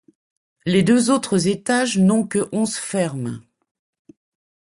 Les deux autres étages n’ont que onze fermes.